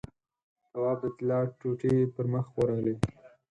تواب د طلا ټوټې پر مخ ورغلې.